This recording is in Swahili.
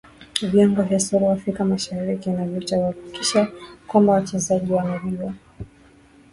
viongozi wa soka afrika mashariki na kati kuhakikisha kwamba wachezaji wanajua